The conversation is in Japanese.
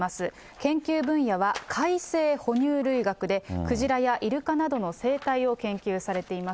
研究分野は海棲哺乳類学で、クジラやイルカなどの生態を研究されています。